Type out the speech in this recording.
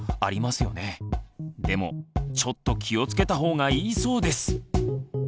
でもちょっと気をつけた方がいいそうです。